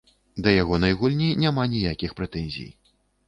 Да ягонай гульні няма ніякіх прэтэнзій.